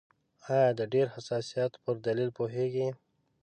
آیا د ډېر حساسیت پر دلیل پوهیږئ؟